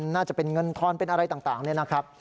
น่าจะเป็นเงินทอนเป็นอะไรต่างเนี่ยนะครับ